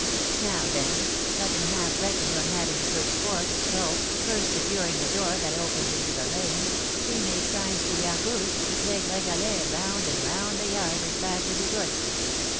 "Now, then, Cut in Half reckoned on having good sport, so, first securing the door that opened into the lane, he made signs to Gargousse to play Gringalet round and round the yard as fast as he could.